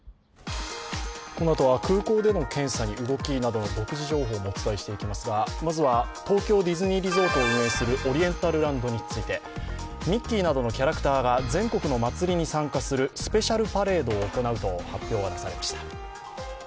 このあとは空港での検査に動きなどの独自情報もお伝えしていきますがまずは東京ディズニーリゾートを運営するオリエンタルランドについてミッキーなどのキャラクターが全国の祭りに参加するスペシャルパレードを行うと発表がなされました。